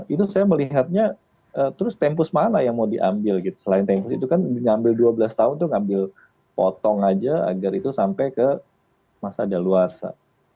itu saya melihatnya terus tempus mana yang mau diambil gitu selain tempus itu kan diambil dua belas tahun itu ngambil potong aja agar itu sampai ke masa daluarsa